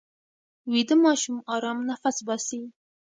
ویده ماشوم ارام نفس باسي